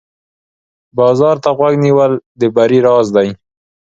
بازار ته غوږ نیول د بری راز دی.